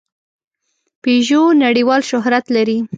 پيژو نړۍوال شهرت لري.